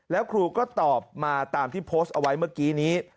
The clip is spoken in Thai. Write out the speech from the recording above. แล้วครูก็ตอบมาตามที่โพสต์เอาไว้เมื่อกี้นี้